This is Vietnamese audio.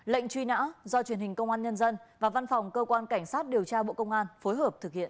lệnh truy nã do truyền hình công an nhân dân và văn phòng cơ quan cảnh sát điều tra bộ công an phối hợp thực hiện